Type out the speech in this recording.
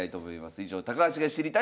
以上「高橋が知りたい